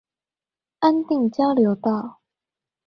安定交流道